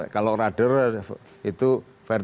kalau rudder itu vertikal itu untuk arah